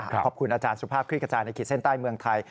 ขอบคุณอาจารย์สุภาพคลิกกระจายในขีดเส้นใต้เมืองไทย